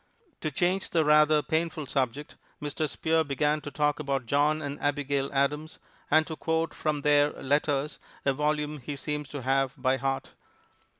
To change the rather painful subject, Mr. Spear began to talk about John and Abigail Adams, and to quote from their "Letters," a volume he seems to have by heart.